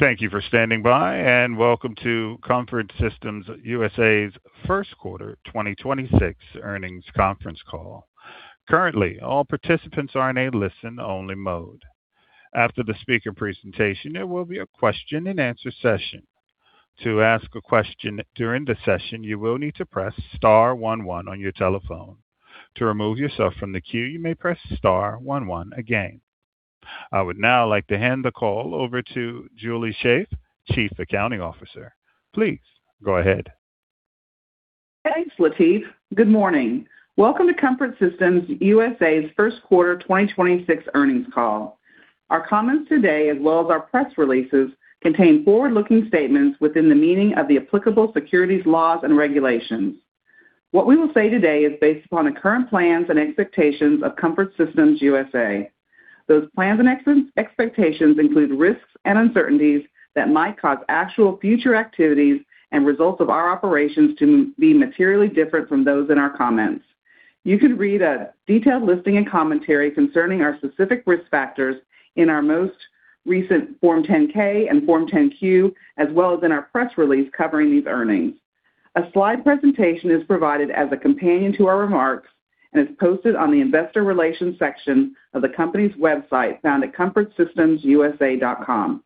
Thank you for standing by, and welcome to Comfort Systems USA's first quarter 2026 earnings conference call. Currently, all participants are in a listen-only mode. After the speaker presentation, there will be a question-and-answer session. To ask a question during the session, you will need to press star one one on your telephone. To remove yourself from the queue, you may press star one one again. I would now like to hand the call over to Julie Shaeff, Chief Accounting Officer. Please go ahead. Thanks, Latif. Good morning. Welcome to Comfort Systems USA's first quarter 2026 earnings call. Our comments today, as well as our press releases, contain forward-looking statements within the meaning of the applicable securities laws and regulations. What we will say today is based upon the current plans and expectations of Comfort Systems USA. Those plans and expectations include risks and uncertainties that might cause actual future activities and results of our operations to be materially different from those in our comments. You could read a detailed listing and commentary concerning our specific risk factors in our most recent Form 10-K and Form 10-Q, as well as in our press release covering these earnings. A slide presentation is provided as a companion to our remarks and is posted on the investor relations section of the company's website found at comfortsystemsusa.com.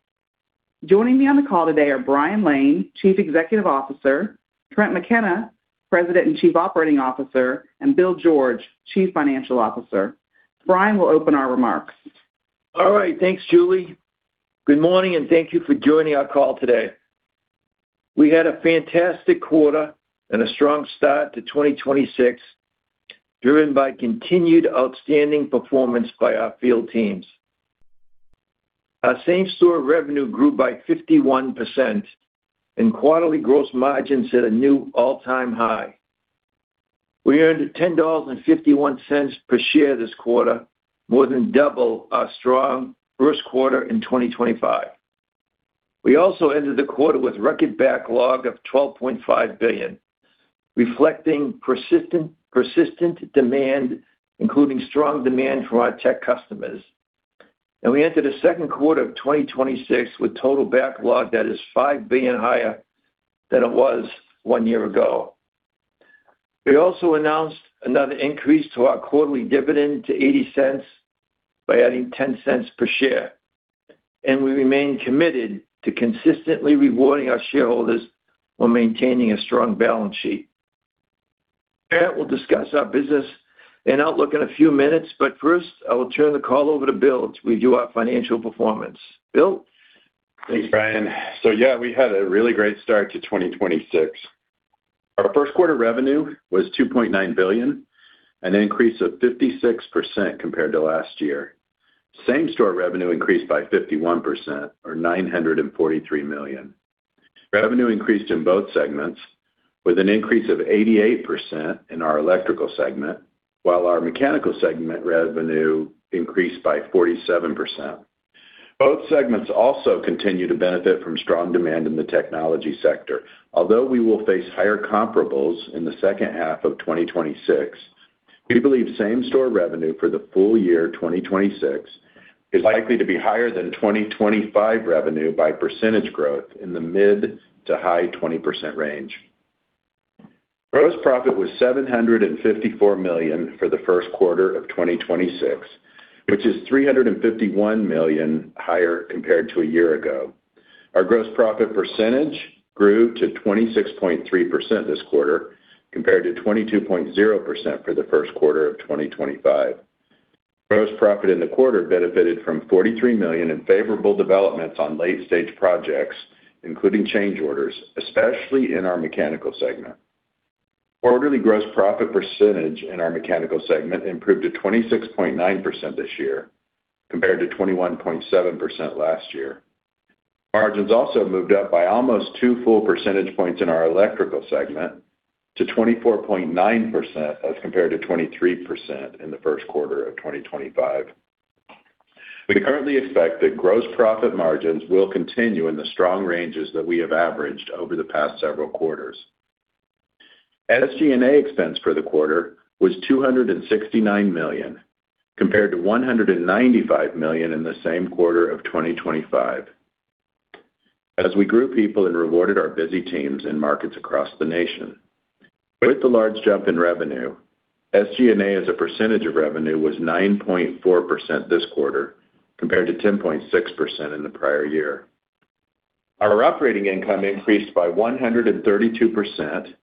Joining me on the call today are Brian Lane, Chief Executive Officer, Trent McKenna, President and Chief Operating Officer, and Bill George, Chief Financial Officer. Brian will open our remarks. All right. Thanks, Julie. Good morning, and thank you for joining our call today. We had a fantastic quarter and a strong start to 2026, driven by continued outstanding performance by our field teams. Our same-store revenue grew by 51%, and quarterly gross margins set a new all-time high. We earned $10.51 per share this quarter, more than double our strong first quarter in 2025. We also ended the quarter with record backlog of $12.5 billion, reflecting persistent demand, including strong demand from our tech customers. We entered the second quarter of 2026 with total backlog that is $5 billion higher than it was one year ago. We also announced another increase to our quarterly dividend to $0.80 by adding $0.10 per share, and we remain committed to consistently rewarding our shareholders while maintaining a strong balance sheet. Trent will discuss our business and outlook in a few minutes, but first, I will turn the call over to Bill to review our financial performance. Bill? Thanks, Brian. Yeah, we had a really great start to 2026. Our first quarter revenue was $2.9 billion, an increase of 56% compared to last year. Same-store revenue increased by 51%, or $943 million. Revenue increased in both segments with an increase of 88% in our electrical segment, while our mechanical segment revenue increased by 47%. Both segments also continue to benefit from strong demand in the technology sector. Although we will face higher comparables in the second half of 2026, we believe same-store revenue for the full year 2026 is likely to be higher than 2025 revenue by percentage growth in the mid- to high-20% range. Gross profit was $754 million for the first quarter of 2026, which is $351 million higher compared to a year ago. Our gross profit percentage grew to 26.3% this quarter, compared to 22.0% for the first quarter of 2025. Gross profit in the quarter benefited from $43 million in favorable developments on late-stage projects, including change orders, especially in our Mechanical segment. Quarterly gross profit percentage in our Mechanical segment improved to 26.9% this year compared to 21.7% last year. Margins also moved up by almost two full percentage points in our Electrical segment to 24.9% as compared to 23% in the first quarter of 2025. We currently expect that gross profit margins will continue in the strong ranges that we have averaged over the past several quarters. SG&A expense for the quarter was $269 million, compared to $195 million in the same quarter of 2025, as we grew people and rewarded our busy teams in markets across the nation. With the large jump in revenue, SG&A as a percentage of revenue was 9.4% this quarter, compared to 10.6% in the prior year. Our operating income increased by 132%,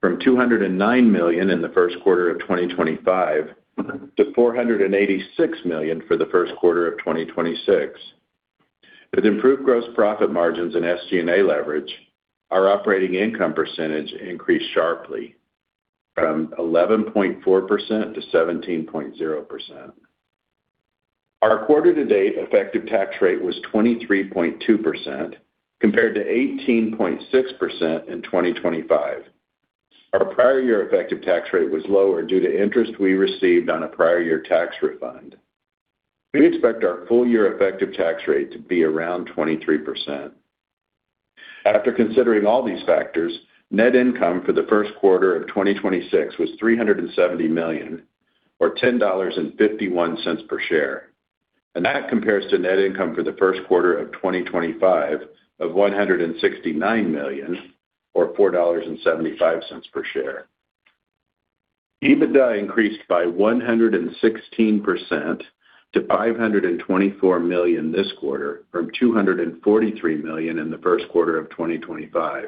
from $209 million in the first quarter of 2025 to $486 million for the first quarter of 2026. With improved gross profit margins and SG&A leverage, our operating income percentage increased sharply from 11.4%-17.0%. Our quarter to date effective tax rate was 23.2%, compared to 18.6% in 2025. Our prior year effective tax rate was lower due to interest we received on a prior year tax refund. We expect our full year effective tax rate to be around 23%. After considering all these factors, net income for the first quarter of 2026 was $370 million, or $10.51 per share. That compares to net income for the first quarter of 2025 of $169 million, or $4.75 per share. EBITDA increased by 116% to $524 million this quarter from $243 million in the first quarter of 2025,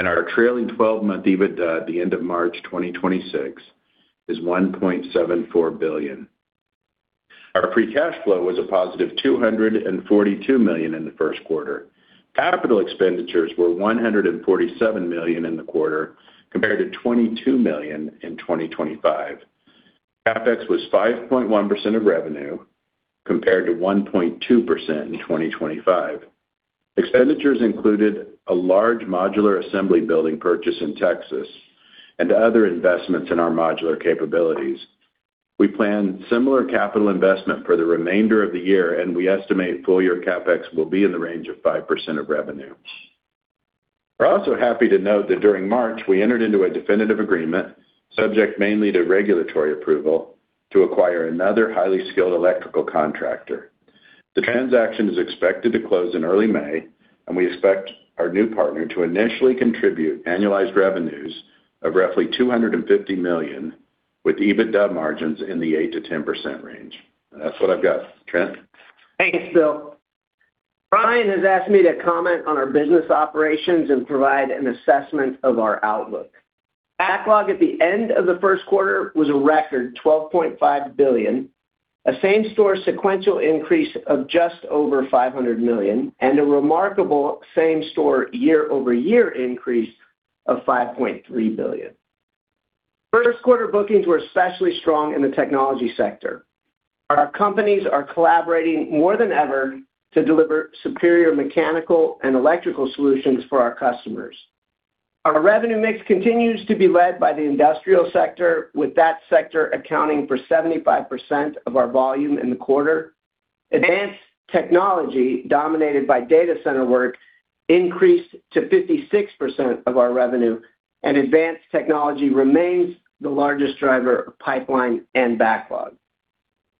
and our trailing 12-month EBITDA at the end of March 2026 is $1.74 billion. Our free cash flow was a positive $242 million in the first quarter. Capital expenditures were $147 million in the quarter, compared to $22 million in 2025. CapEx was 5.1% of revenue, compared to 1.2% in 2025. Expenditures included a large modular assembly building purchase in Texas and other investments in our modular capabilities. We plan similar capital investment for the remainder of the year, and we estimate full-year CapEx will be in the range of 5% of revenue. We're also happy to note that during March, we entered into a definitive agreement, subject mainly to regulatory approval, to acquire another highly skilled electrical contractor. The transaction is expected to close in early May, and we expect our new partner to initially contribute annualized revenues of roughly $250 million with EBITDA margins in the 8%-10% range. That's what I've got. Trent? Thanks, Bill. Brian has asked me to comment on our business operations and provide an assessment of our outlook. Backlog at the end of the first quarter was a record $12.5 billion, a same-store sequential increase of just over $500 million, and a remarkable same-store year-over-year increase of $5.3 billion. First quarter bookings were especially strong in the technology sector. Our companies are collaborating more than ever to deliver superior mechanical and electrical solutions for our customers. Our revenue mix continues to be led by the industrial sector, with that sector accounting for 75% of our volume in the quarter. Advanced technology, dominated by data center work, increased to 56% of our revenue, and advanced technology remains the largest driver of pipeline and backlog.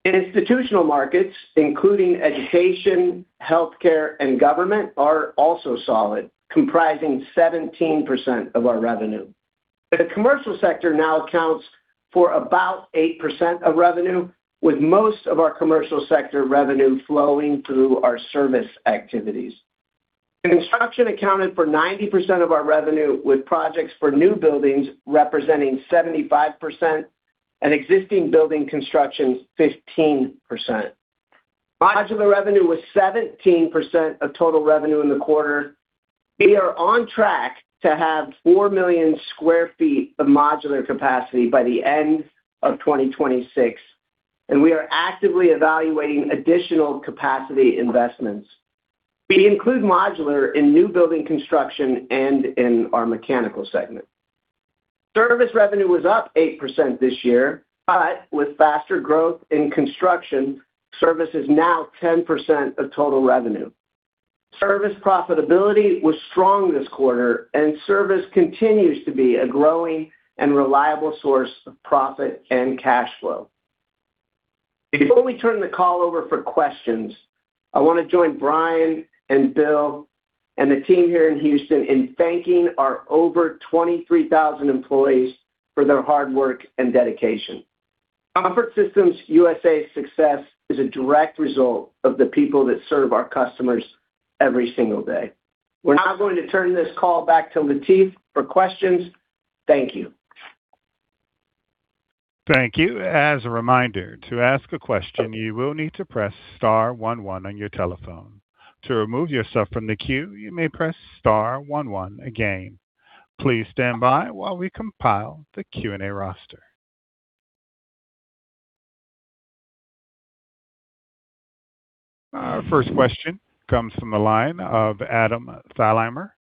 Institutional markets, including education, health care, and government, are also solid, comprising 17% of our revenue. The commercial sector now accounts for about 8% of revenue, with most of our commercial sector revenue flowing through our service activities. Construction accounted for 90% of our revenue, with projects for new buildings representing 75% and existing building construction 15%. Modular revenue was 17% of total revenue in the quarter. We are on track to have 4 million sq ft of modular capacity by the end of 2026, and we are actively evaluating additional capacity investments. We include modular in new building construction and in our mechanical segment. Service revenue was up 8% this year, but with faster growth in construction, service is now 10% of total revenue. Service profitability was strong this quarter, and service continues to be a growing and reliable source of profit and cash flow. Before we turn the call over for questions, I want to join Brian and Bill and the team here in Houston in thanking our over 23,000 employees for their hard work and dedication. Comfort Systems USA's success is a direct result of the people that serve our customers every single day. We're now going to turn this call back to Latif for questions. Thank you. Thank you. As a reminder to ask a question you will need to press star one one on your telephone. To remove your question, you may press star one one again. Please stand by while we compile the Q&A roster. Our first question comes from the line of Adam Thalhimer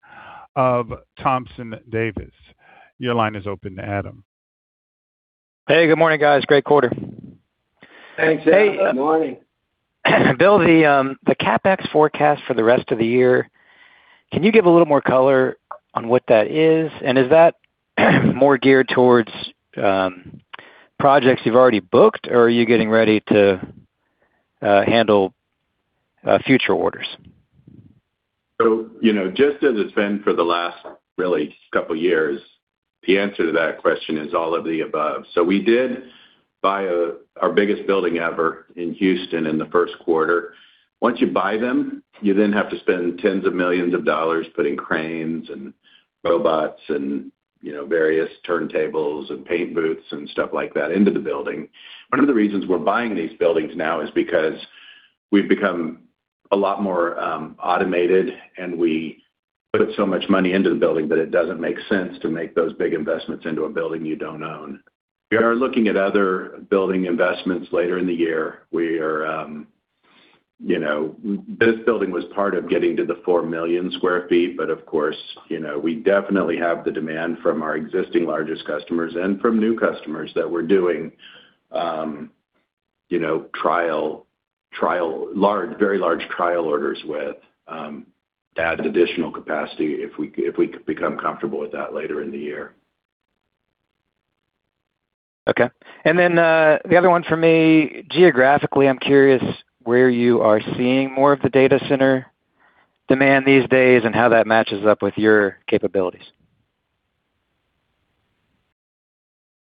of Thompson Davis. Your line is open, Adam. Hey, good morning, guys. Great quarter. Thanks, Adam. Good morning. Bill, the CapEx forecast for the rest of the year, can you give a little more color on what that is? Is that more geared towards projects you've already booked, or are you getting ready to handle future orders? Just as it's been for the last, really, couple years, the answer to that question is all of the above. We did buy our biggest building ever in Houston in the first quarter. Once you buy them, you then have to spend tens of millions of dollars putting cranes and robots and various turntables and paint booths and stuff like that into the building. One of the reasons we're buying these buildings now is because we've become a lot more automated, and we put so much money into the building that it doesn't make sense to make those big investments into a building you don't own. We are looking at other building investments later in the year. This building was part of getting to the 4 million sq ft. Of course, we definitely have the demand from our existing largest customers and from new customers that we're doing. You know, very large trial orders with added additional capacity if we become comfortable with that later in the year. Okay. The other one for me, geographically, I'm curious where you are seeing more of the data center demand these days and how that matches up with your capabilities.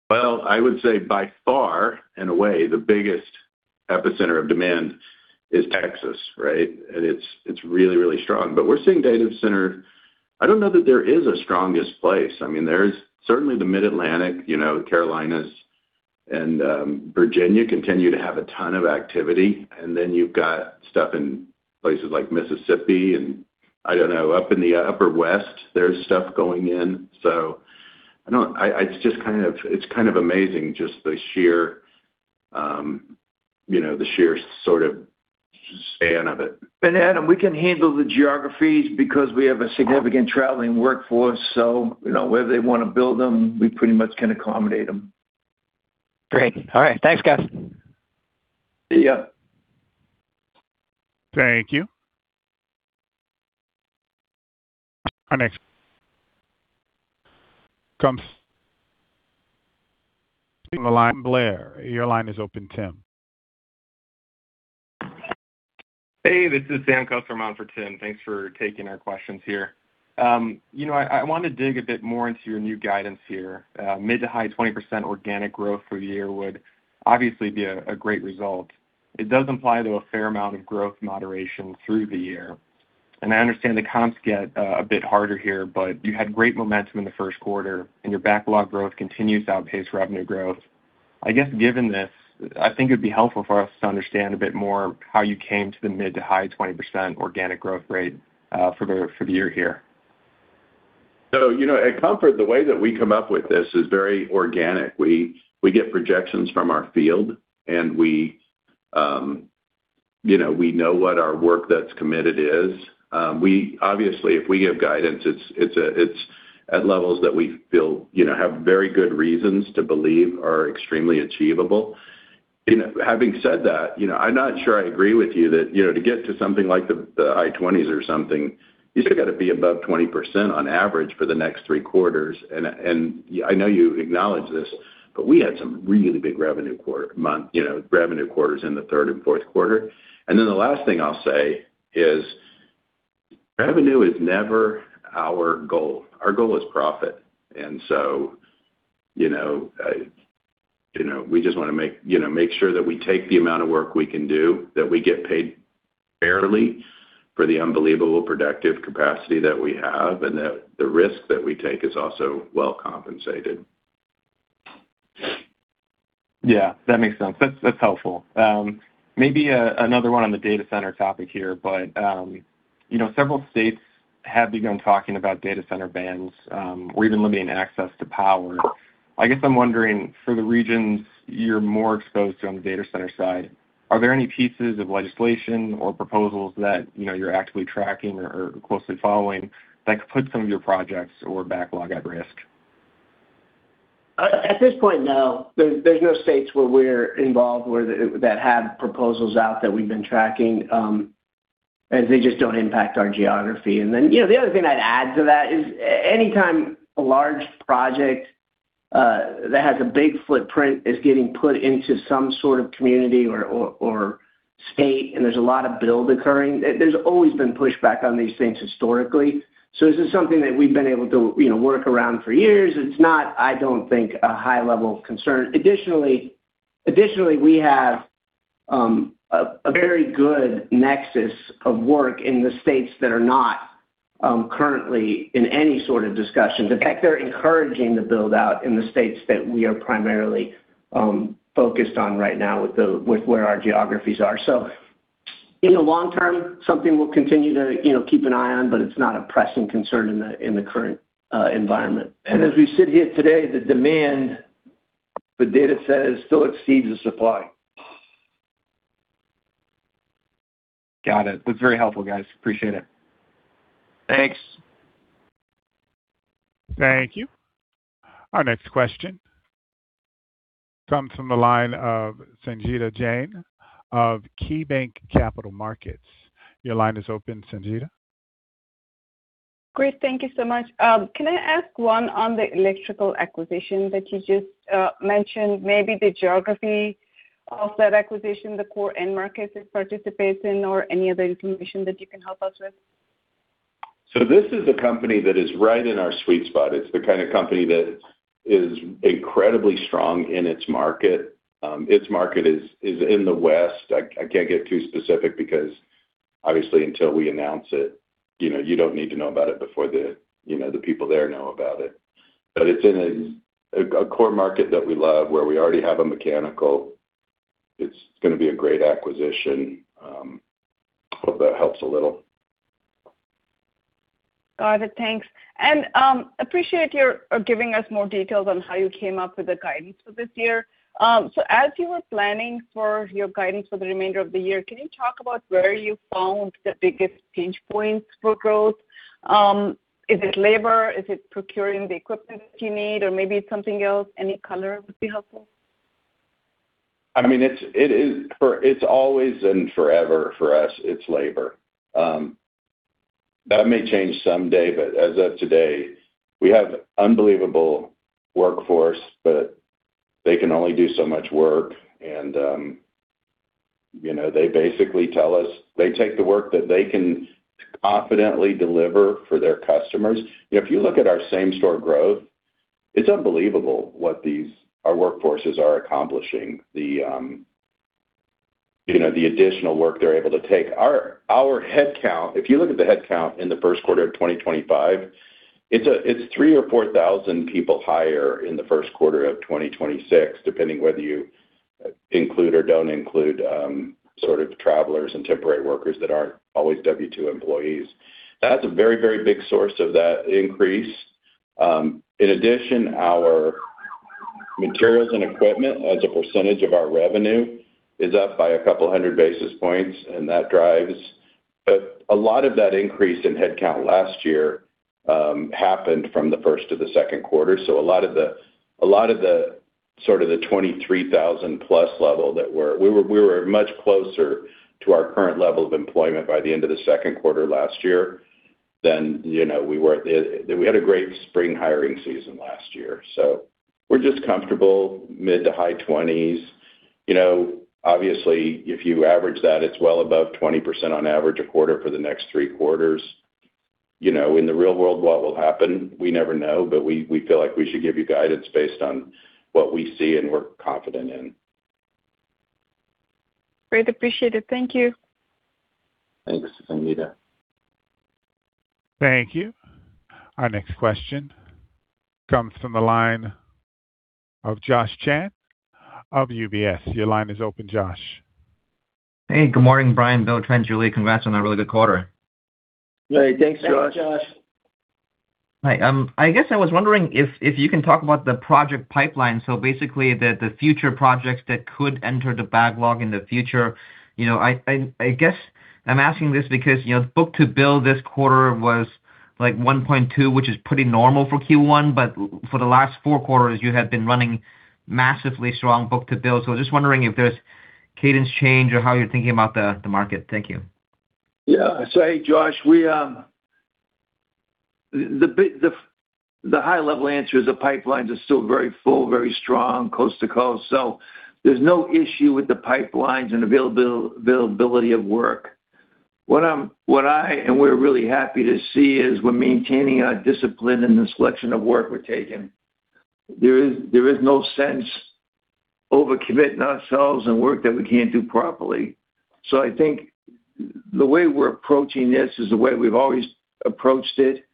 Well, I would say by far and away, the biggest epicenter of demand is Texas, right? It's really, really strong. We're seeing data center. I don't know that there is a strongest place. There's certainly the Mid-Atlantic, the Carolinas, and Virginia continue to have a ton of activity. Then you've got stuff in places like Mississippi and, I don't know, up in the Upper West, there's stuff going in. It's kind of amazing, just the sheer sort of span of it. Adam, we can handle the geographies because we have a significant traveling workforce, so wherever they want to build them, we pretty much can accommodate them. Great. All right. Thanks, guys. See ya. Thank you. Our next comes from the line of Blair. Your line is open, Tim. Hey, this is Dan Kuff from Monforton. Thanks for taking our questions here. I want to dig a bit more into your new guidance here. Mid- to high 20% organic growth for the year would obviously be a great result. It does imply, though, a fair amount of growth moderation through the year. I understand the comps get a bit harder here, but you had great momentum in the first quarter and your backlog growth continues to outpace revenue growth. I guess, given this, I think it'd be helpful for us to understand a bit more how you came to the mid- to high 20% organic growth rate for the year here. At Comfort, the way that we come up with this is very organic. We get projections from our field, and we know what our work that's committed is. Obviously, if we give guidance, it's at levels that we feel have very good reasons to believe are extremely achievable. Having said that, I'm not sure I agree with you that to get to something like the high twenties or something, you still got to be above 20% on average for the next three quarters. I know you acknowledge this, but we had some really big revenue quarters in the third and fourth quarter. Then the last thing I'll say is revenue is never our goal. Our goal is profit. We just want to make sure that we take the amount of work we can do, that we get paid fairly for the unbelievable productive capacity that we have, and that the risk that we take is also well compensated. Yeah, that makes sense. That's helpful. Maybe another one on the data center topic here, but several states have begun talking about data center bans, or even limiting access to power. I guess I'm wondering, for the regions you're more exposed to on the data center side, are there any pieces of legislation or proposals that you're actively tracking or closely following that could put some of your projects or backlog at risk? At this point, no. There's no states where we're involved that have proposals out that we've been tracking, as they just don't impact our geography. Then the other thing I'd add to that is anytime a large project that has a big footprint is getting put into some sort of community or state, and there's a lot of build occurring, there's always been pushback on these things historically. This is something that we've been able to work around for years. It's not, I don't think, a high level of concern. Additionally, we have a very good nexus of work in the states that are not currently in any sort of discussions. In fact, they're encouraging the build-out in the states that we are primarily focused on right now with where our geographies are. In the long term, something we'll continue to keep an eye on, but it's not a pressing concern in the current environment. As we sit here today, the demand for data still exceeds the supply. Got it. That's very helpful, guys. Appreciate it. Thanks. Thank you. Our next question comes from the line of Sangita Jain of KeyBanc Capital Markets. Your line is open, Sangita. Great. Thank you so much. Can I ask one on the electrical acquisition that you just mentioned, maybe the geography of that acquisition, the core end markets it participates in or any other information that you can help us with? This is a company that is right in our sweet spot. It's the kind of company that is incredibly strong in its market. Its market is in the West. I can't get too specific because obviously until we announce it, you don't need to know about it before the people there know about it. It's in a core market that we love, where we already have a mechanical. It's going to be a great acquisition. Hope that helps a little. Got it. Thanks. Appreciate your giving us more details on how you came up with the guidance for this year. As you were planning for your guidance for the remainder of the year, can you talk about where you found the biggest pinch points for growth? Is it labor? Is it procuring the equipment that you need? Or maybe it's something else. Any color would be helpful. I mean, it's always and forever for us, it's labor. That may change someday, but as of today, we have unbelievable workforce, but they can only do so much work. They basically tell us they take the work that they can confidently deliver for their customers. If you look at our same-store growth, it's unbelievable what our workforces are accomplishing. The additional work they're able to take. Our headcount, if you look at the headcount in the first quarter of 2025, it's 3,000 or 4,000 people higher in the first quarter of 2026, depending whether you include or don't include sort of travelers and temporary workers that aren't always W-2 employees. That's a very, very big source of that increase. In addition, our materials and equipment as a percentage of our revenue is up by 200 basis points, and that drives. A lot of that increase in headcount last year happened from the first to the second quarter. A lot of the sort of 23,000+ level. We were much closer to our current level of employment by the end of the second quarter last year than we were. We had a great spring hiring season last year. We're just comfortable mid- to high 20s. Obviously, if you average that, it's well above 20% on average a quarter for the next three quarters. In the real world, what will happen, we never know, but we feel like we should give you guidance based on what we see and we're confident in. Great. Appreciate it. Thank you. Thanks, Sangita. Thank you. Our next question comes from the line of Josh Chan of UBS. Your line is open, Josh. Hey, good morning, Brian, Bill, Trent, Julie. Congrats on a really good quarter. Great. Thanks, Josh. Thanks, Josh. Hi. I guess I was wondering if you can talk about the project pipeline, so basically the future projects that could enter the backlog in the future. I guess I'm asking this because book-to-bill this quarter was like 1.2, which is pretty normal for Q1, but for the last four quarters, you have been running massively strong book-to-bill. I was just wondering if there's cadence change or how you're thinking about the market. Thank you. Yeah. Hey, Josh. The high level answer is the pipelines are still very full, very strong, coast to coast. There's no issue with the pipelines and availability of work. What I and we're really happy to see is we're maintaining our discipline in the selection of work we're taking. There is no sense over-committing ourselves in work that we can't do properly. I think the way we're approaching this is the way we've always approached it,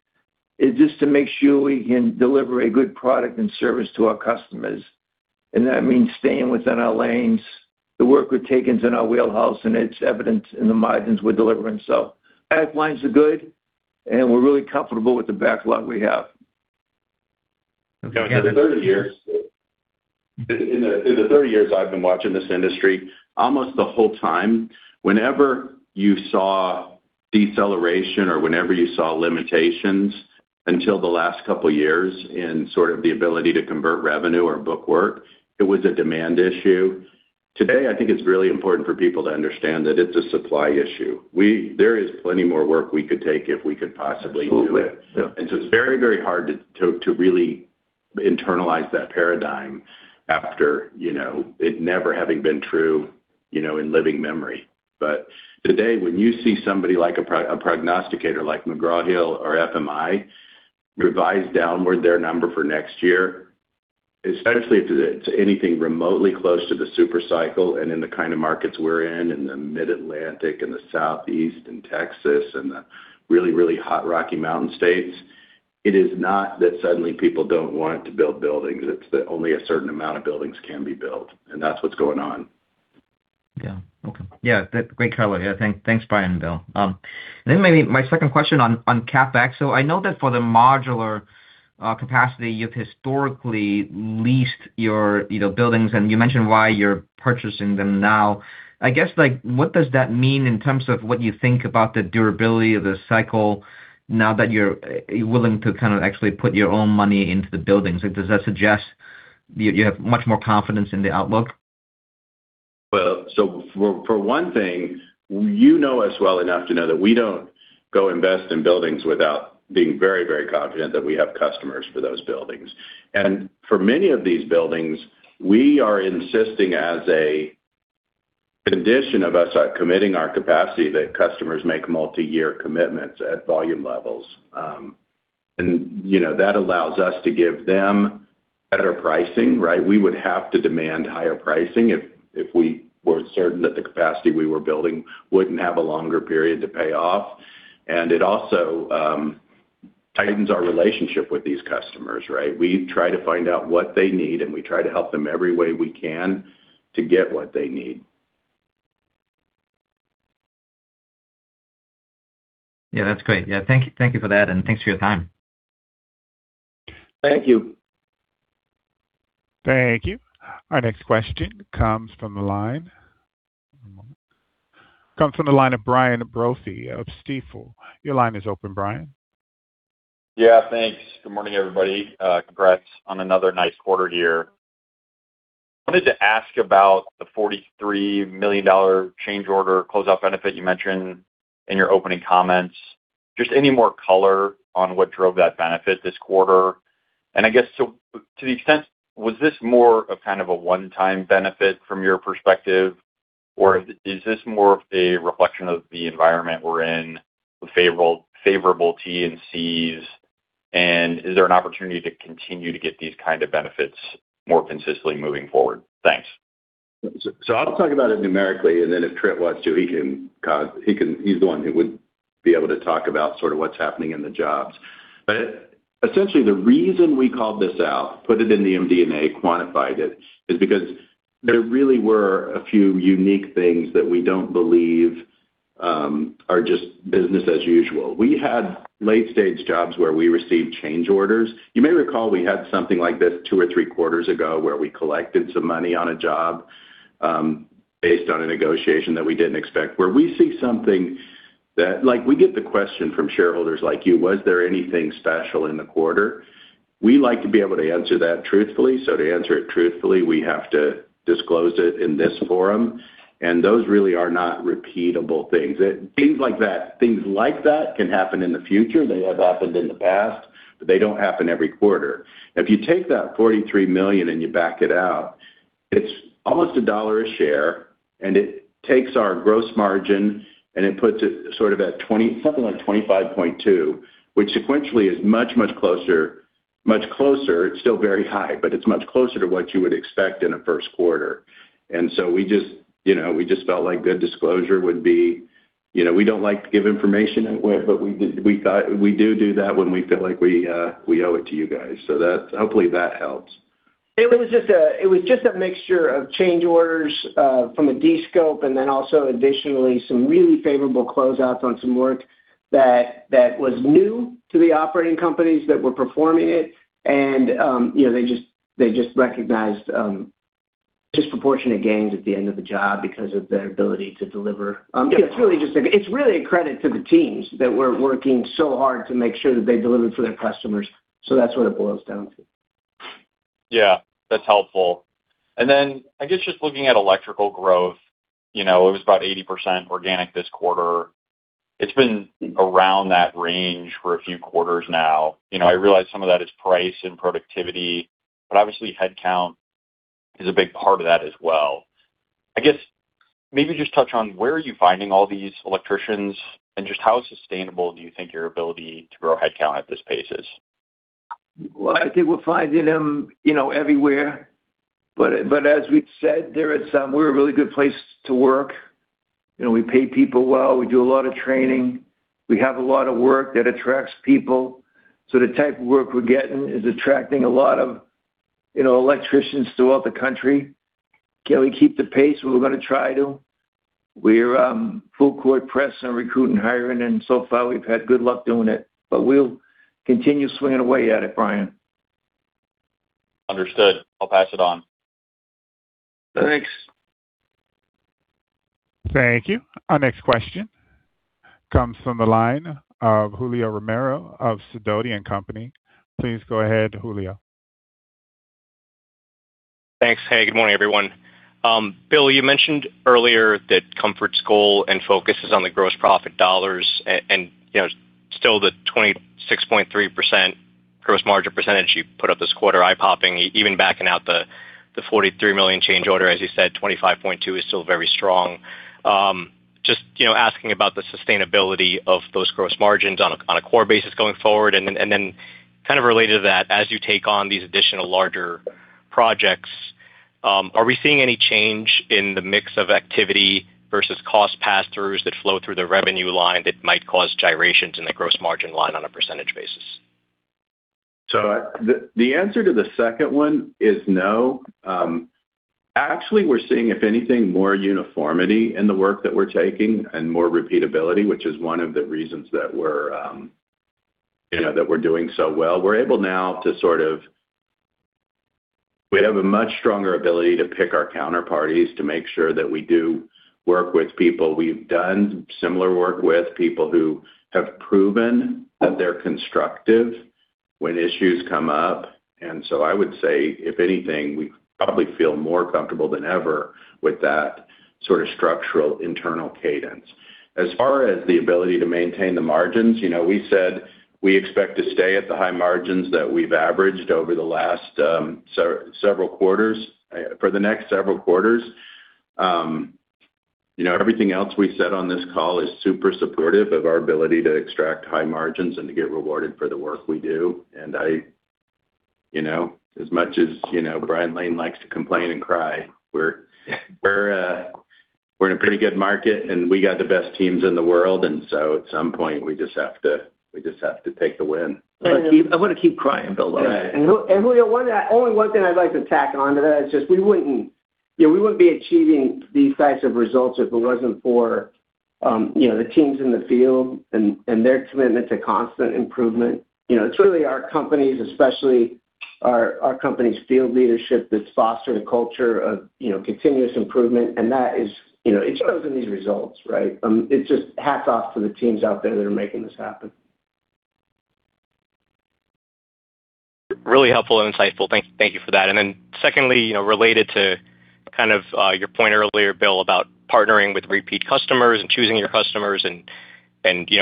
is just to make sure we can deliver a good product and service to our customers. That means staying within our lanes. The work we've taken is in our wheelhouse, and it's evident in the margins we're delivering. Pipelines are good, and we're really comfortable with the backlog we have. Okay. In the 30 years I've been watching this industry, almost the whole time, whenever you saw deceleration or whenever you saw limitations until the last couple of years in sort of the ability to convert revenue or book work, it was a demand issue. Today, I think it's really important for people to understand that it's a supply issue. There is plenty more work we could take if we could possibly do it. Absolutely. It's very, very hard to really internalize that paradigm after it never having been true in living memory. Today, when you see somebody like a prognosticator like McGraw Hill or FMI revise downward their number for next year, especially to anything remotely close to the super cycle and in the kind of markets we're in the Mid-Atlantic and the Southeast and Texas and the really, really hot Rocky Mountain states, it is not that suddenly people don't want to build buildings. It's that only a certain amount of buildings can be built. That's what's going on. Yeah. Okay. Yeah, great color. Yeah, thanks, Brian and Bill. Maybe my second question on CapEx. I know that for the modular capacity, you've historically leased your buildings, and you mentioned why you're purchasing them now. I guess, what does that mean in terms of what you think about the durability of the cycle now that you're willing to kind of actually put your own money into the buildings? Does that suggest you have much more confidence in the outlook? Well, for one thing, you know us well enough to know that we don't go invest in buildings without being very, very confident that we have customers for those buildings. For many of these buildings, we are insisting as a condition of us committing our capacity that customers make multi-year commitments at volume levels. That allows us to give them better pricing, right? We would have to demand higher pricing if we weren't certain that the capacity we were building wouldn't have a longer period to pay off. It also tightens our relationship with these customers, right? We try to find out what they need, and we try to help them every way we can to get what they need. Yeah, that's great. Yeah, thank you for that, and thanks for your time. Thank you. Thank you. Our next question comes from the line of Brian Brophy of Stifel. Your line is open, Brian. Yeah, thanks. Good morning, everybody. Congrats on another nice quarter here. Wanted to ask about the $43 million change order closeout benefit you mentioned in your opening comments. Just any more color on what drove that benefit this quarter? I guess so to the extent, was this more of kind of a one-time benefit from your perspective? Or is this more of a reflection of the environment we're in with favorable T&Cs? Is there an opportunity to continue to get these kind of benefits more consistently moving forward? Thanks. I'll talk about it numerically, and then if Trent wants to, he's the one who would be able to talk about sort of what's happening in the jobs. Essentially, the reason we called this out, put it in the MD&A, quantified it, is because there really were a few unique things that we don't believe are just business as usual. We had late-stage jobs where we received change orders. You may recall we had something like this two or three quarters ago, where we collected some money on a job, based on a negotiation that we didn't expect. Where we see something we get the question from shareholders like you, "Was there anything special in the quarter?" We like to be able to answer that truthfully, so to answer it truthfully, we have to disclose it in this forum. Those really are not repeatable things. Things like that can happen in the future, they have happened in the past, but they don't happen every quarter. If you take that $43 million and you back it out, it's almost $1 a share, and it takes our gross margin, and it puts it sort of at 20%, something like 25.2%, which sequentially is much, much closer, much closer. It's still very high, but it's much closer to what you would expect in a first quarter. We just felt like good disclosure would be. We don't like to give information away, but we do that when we feel like we owe it to you guys. Hopefully that helps. It was just a mixture of change orders from a descope and then also additionally, some really favorable closeouts on some work that was new to the operating companies that were performing it. They just recognized disproportionate gains at the end of the job because of their ability to deliver. It's really a credit to the teams that were working so hard to make sure that they delivered for their customers. That's what it boils down to. Yeah, that's helpful. I guess just looking at electrical growth, it was about 80% organic this quarter. It's been around that range for a few quarters now. I realize some of that is price and productivity, but obviously, headcount is a big part of that as well. I guess, maybe just touch on where are you finding all these electricians and just how sustainable do you think your ability to grow headcount at this pace is? Well, I think we're finding them everywhere, but as we've said, we're a really good place to work. We pay people well. We do a lot of training. We have a lot of work that attracts people. The type of work we're getting is attracting a lot of electricians throughout the country. Can we keep the pace? We're going to try to. We're full court press on recruiting, hiring, and so far we've had good luck doing it. But we'll continue swinging away at it, Brian. Understood. I'll pass it on. Thanks. Thank you. Our next question comes from the line of Julio Romero of Sidoti & Company. Please go ahead, Julio. Thanks. Hey, good morning, everyone. Bill, you mentioned earlier that Comfort's goal and focus is on the gross profit dollars and still the 26.3% gross margin percentage you put up this quarter, eye-popping. Even backing out the $43 million change order, as you said, 25.2% is still very strong. Just asking about the sustainability of those gross margins on a core basis going forward. Then kind of related to that, as you take on these additional larger projects, are we seeing any change in the mix of activity versus cost pass-throughs that flow through the revenue line that might cause gyrations in the gross margin line on a percentage basis? The answer to the second one is no. Actually, we're seeing, if anything, more uniformity in the work that we're taking and more repeatability, which is one of the reasons that we're doing so well. We have a much stronger ability to pick our counterparties to make sure that we do work with people. We've done similar work with people who have proven that they're constructive when issues come up. I would say, if anything, we probably feel more comfortable than ever with that sort of structural internal cadence. As far as the ability to maintain the margins, we said we expect to stay at the high margins that we've averaged over the last several quarters, for the next several quarters. Everything else we said on this call is super supportive of our ability to extract high margins and to get rewarded for the work we do. As much as Brian Lane likes to complain and cry, we're in a pretty good market, and we got the best teams in the world, and so at some point, we just have to take the win. I want to keep crying, Bill. Right. Julio, only one thing I'd like to tack onto that is just we wouldn't be achieving these types of results if it wasn't for the teams in the field and their commitment to constant improvement. It's really our companies, especially. Our company's field leadership that's fostered a culture of continuous improvement, and it shows in these results, right? It's just hats off to the teams out there that are making this happen. Really helpful and insightful. Thank you for that. Secondly, related to kind of your point earlier, Bill, about partnering with repeat customers and choosing your customers and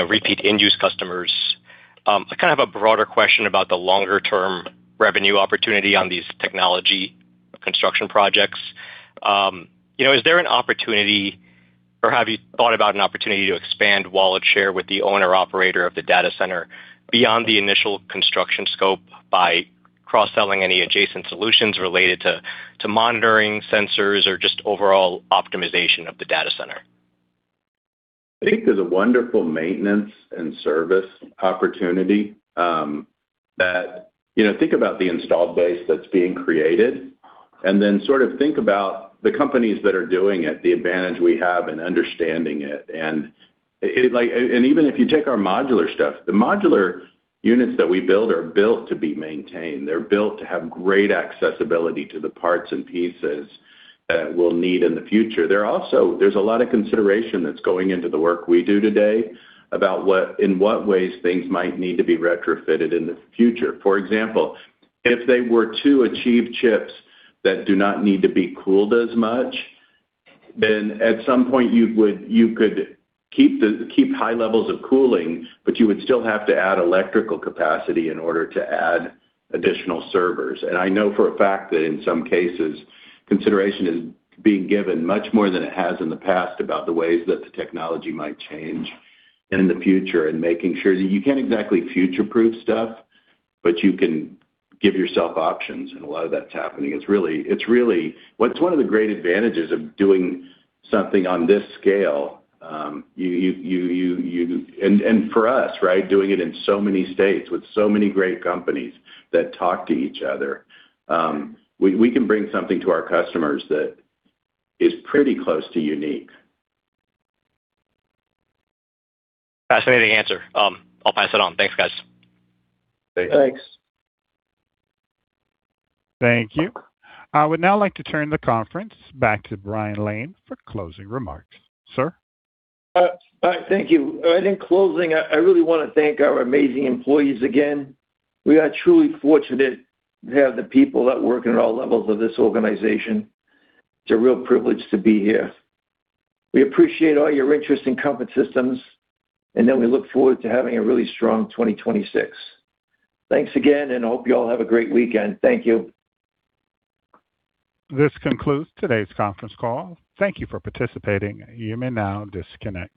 repeat end-use customers, I kind of have a broader question about the longer-term revenue opportunity on these technology construction projects. Is there an opportunity or have you thought about an opportunity to expand wallet share with the owner-operator of the data center beyond the initial construction scope by cross-selling any adjacent solutions related to monitoring, sensors or just overall optimization of the data center? I think there's a wonderful maintenance and service opportunity. Think about the installed base that's being created, and then sort of think about the companies that are doing it, the advantage we have in understanding it. Even if you take our modular stuff, the modular units that we build are built to be maintained. They're built to have great accessibility to the parts and pieces that we'll need in the future. There's a lot of consideration that's going into the work we do today about in what ways things might need to be retrofitted in the future. For example, if they were to achieve chips that do not need to be cooled as much, then at some point you could keep high levels of cooling, but you would still have to add electrical capacity in order to add additional servers. I know for a fact that in some cases, consideration is being given much more than it has in the past about the ways that the technology might change in the future and making sure you can't exactly future-proof stuff, but you can give yourself options, and a lot of that's happening. It's one of the great advantages of doing something on this scale. For us, right, doing it in so many states with so many great companies that talk to each other. We can bring something to our customers that is pretty close to unique. Fascinating answer. I'll pass it on. Thanks, guys. Thanks. Thanks. Thank you. I would now like to turn the conference back to Brian Lane for closing remarks. Sir? Thank you. In closing, I really want to thank our amazing employees again. We are truly fortunate to have the people that work at all levels of this organization. It's a real privilege to be here. We appreciate all your interest in Comfort Systems, and that we look forward to having a really strong 2026. Thanks again, and we hope you all have a great weekend. Thank you. This concludes today's conference call. Thank you for participating. You may now disconnect.